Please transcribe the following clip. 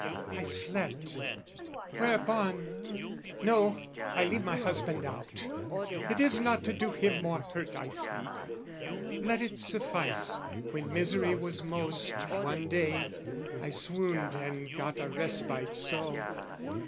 I slept. Whereupon...no, I leave my husband out! It is not to do him more hurt, I speak. Let it suffice, when misery was most, One day, I swooned and got a respite so.